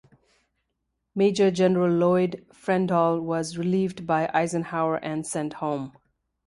Major General Lloyd Fredendall was relieved by Eisenhower and sent home.